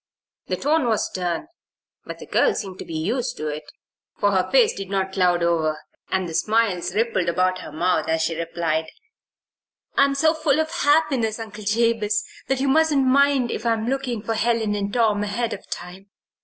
The tone was stern, but the girl seemed to be used to it, for her face did not cloud over, and the smiles rippled about her mouth as she replied: "I'm so full of happiness, Uncle Jabez, that you mustn't mind if I'm looking for Helen and Tom ahead of time.